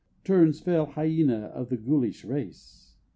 Turns fell Hyæna of the Ghoulish race?